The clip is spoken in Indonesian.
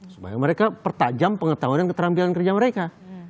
supaya mereka pertajam pengetahuan dan keterampilan kerja mereka